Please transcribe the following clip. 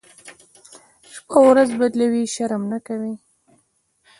شپه ورځ بدلوي، شرم نه کوي.